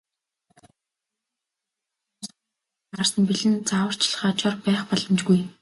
Бизнес төдийгүй бүх юмс, хүн бүхэнд таарсан бэлэн зааварчилгаа, жор байх боломжгүй.